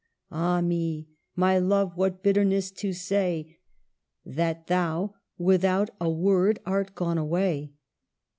Ah me ! my love, what bitterness to say That thou without a word art gone away